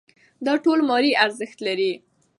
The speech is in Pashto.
دا ټول مالي ارزښت لري.